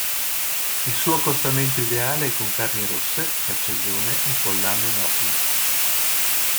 Il suo accostamento ideale è con carni rosse, cacciagione e pollame nobile.